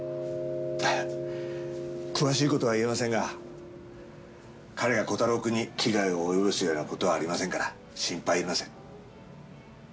詳しい事は言えませんが彼がコタローくんに危害を及ぼすような事はありませんから心配いりません。